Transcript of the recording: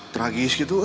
tragis gitu ya